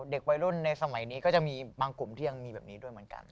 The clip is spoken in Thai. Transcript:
เด็กวัยรุ่นในสมัยนี้ก็จะมีบางกลุ่มที่ยังมีแบบนี้ด้วยเหมือนกัน